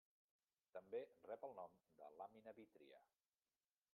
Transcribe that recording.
També rep el nom de làmina vítria.